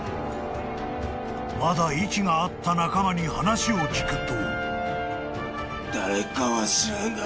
［まだ息があった仲間に話を聞くと］